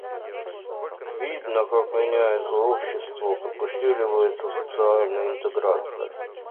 Видно, как меняется общество, как усиливается социальная интеграция.